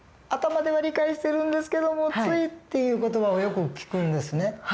頭では理解してるんですけどもついっていう言葉をよく聞くんですね。